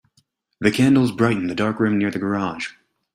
The candles brightened the dark room near to the garage.